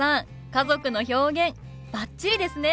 家族の表現バッチリですね！